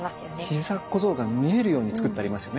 ひざ小僧が見えるようにつくってありますよね。